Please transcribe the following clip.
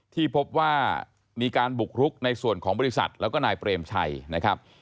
ที่พบว่ามีการบุกรุกในส่วนของบริษัทแล้วก็นายเปรมชัยนะครับ